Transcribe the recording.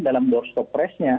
dalam doorstop presenya